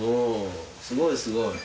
すごいすごい。